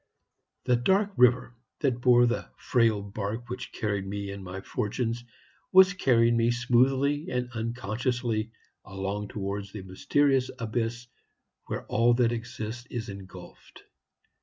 "The dark river that bore the frail bark which carried me and my fortunes was carrying me smoothly and unconsciously along towards the mysterious abyss where all that exists is engulfed.